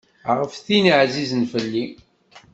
Ɣef tin ɛzizen fell-i.